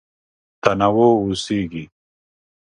تنوع اوسېږي.